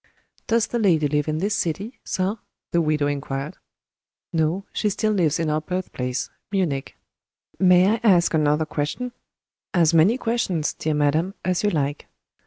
"Does the lady live in this city, sir?" the widow inquired. "No, she still lives in our birthplace Munich." "May I ask another question?" "As many questions, dear madam, as you like."